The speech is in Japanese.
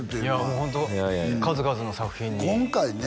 もうホント数々の作品に今回ね